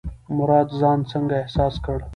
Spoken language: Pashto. مراد ځان څنګه احساس کړ؟